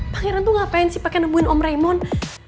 pangeran tuh ngapain sih pake nemuin om raymond